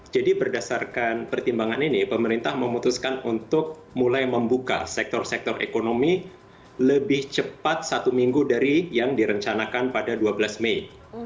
jadi berdasarkan pertimbangan ini pemerintah memutuskan untuk mulai membuka sektor sektor ekonomi lebih cepat satu minggu dari yang direncanakan pada dua belas mei